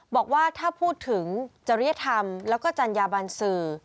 บอกว่าถ้าพูดถึงจริยธรรมแล้วก็จัญญาบันสื่อ